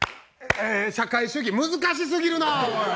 社会主義難しすぎるなおい！